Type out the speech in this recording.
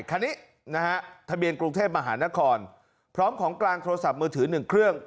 คันนี้นะฮะทะเบียนกรุงเทพมหานครพร้อมของกลางโทรศัพท์มือถือ๑เครื่อง